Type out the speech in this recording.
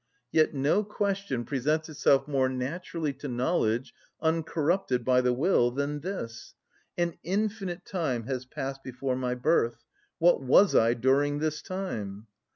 Yet no question presents itself more naturally to knowledge, uncorrupted by the will, than this: An infinite time has passed before my birth; what was I during this time?